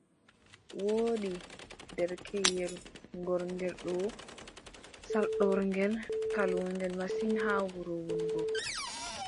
Woodi derkeyel gorngel ɗon, saldorngel, kallungel masin haa wuro wonngo.